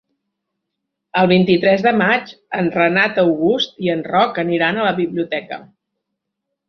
El vint-i-tres de maig en Renat August i en Roc aniran a la biblioteca.